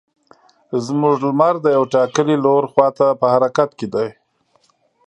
زموږ لمر د یو ټاکلي لور خوا ته په حرکت کې ده.